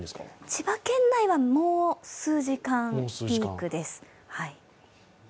千葉県内はもう数時間ピークです。